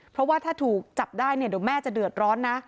เพราะว่าถ้าถูกจับได้เนี่ยเดี๋ยวแม่จะเดือดร้อนนะ